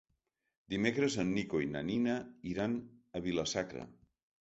Dimecres en Nico i na Nina iran a Vila-sacra.